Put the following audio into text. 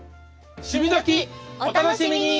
「趣味どきっ！」お楽しみに！